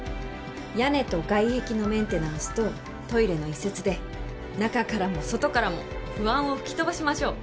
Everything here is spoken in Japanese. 屋根と外壁のメンテナンスとトイレの移設で中からも外からも不安を吹き飛ばしましょう。